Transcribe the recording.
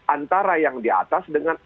antara yang di atas dengan